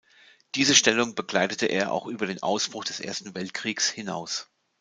Diese Stellung bekleidete er auch über den Ausbruch des Ersten Weltkriegs hinaus.